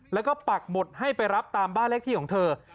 แล้วก็ปักหมุดให้ไปรับตามบ้านเลขที่ของเธอ